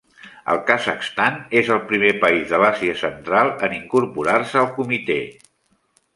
El Kazakhstan és el primer país de l'Àsia Central en incorporar-se al Comitè.